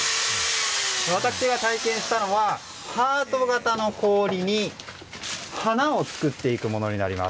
私が体験したのはハート形の氷に花を作っていくものになります。